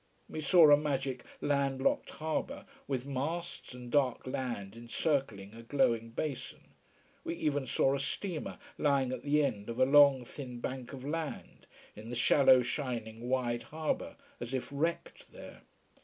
We saw a magic, land locked harbour, with masts and dark land encircling a glowing basin. We even saw a steamer lying at the end of a long, thin bank of land, in the shallow, shining, wide harbour, as if wrecked there.